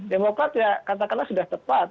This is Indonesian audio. demokrat ya katakanlah sudah tepat